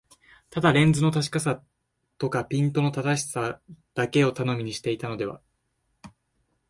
ただレンズの確かさとかピントの正しさだけを頼みにしていたのでは、